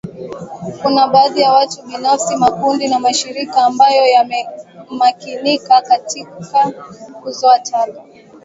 Kuna baadhi ya watu binafsi makundi na mashirika ambayo yamemakinika katika kuzoa taka